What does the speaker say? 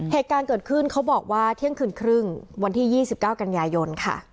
เหตุการณ์เกิดขึ้นเขาบอกว่าเที่ยงคืนครึ่งวันที่๒๙กันยายนค่ะ